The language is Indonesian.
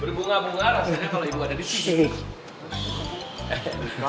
berbunga bunga sebenarnya kalau ibu ada di sini